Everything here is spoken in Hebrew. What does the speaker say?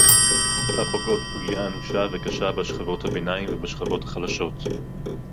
הפוגעות פגיעה אנושה וקשה בשכבות הביניים ובשכבות החלשות